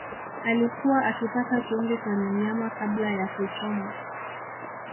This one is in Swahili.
alikuwa akipaka chumvi kwenye nyama kabla ya kuichoma